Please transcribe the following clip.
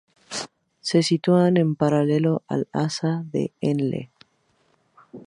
Se sitúan en paralelo al asa de Henle.